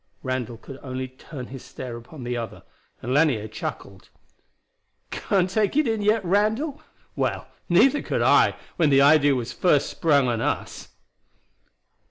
Randall could only turn his stare upon the other, and Lanier chuckled. "Can't take it in yet, Randall? Well, neither could I when the idea was first sprung on us."